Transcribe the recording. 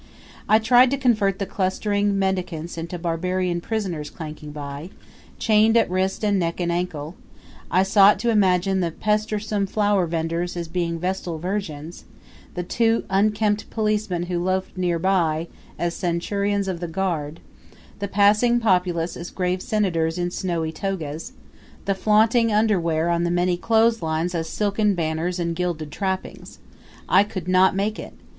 I tried to convert the clustering mendicants into barbarian prisoners clanking by, chained at wrist and neck and ankle; I sought to imagine the pestersome flower venders as being vestal virgins; the two unkempt policemen who loafed nearby, as centurions of the guard; the passing populace as grave senators in snowy togas; the flaunting underwear on the many clotheslines as silken banners and gilded trappings. I could not make it.